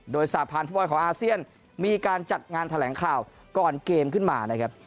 โดยสาพันธ์ฟุตบอลของอาเซียนมีการจัดงานแถลงข่าวก่อนเกมขึ้นมานะครับ